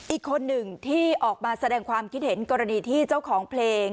อีกคนหนึ่งที่ออกมาแสดงความคิดเห็นกรณีที่เจ้าของเพลง